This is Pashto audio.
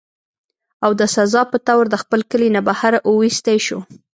او د سزا پۀ طور د خپل کلي نه بهر اوويستی شو